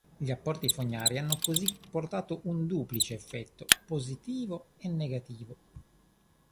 Gli apporti fognari hanno così portato un duplice effetto: positivo e negativo.